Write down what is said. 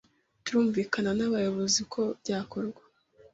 Turumvikana n’abayobozi uko byakorwa